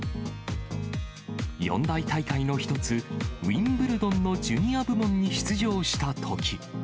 四大大会の一つ、ウィンブルドンのジュニア部門に出場したとき。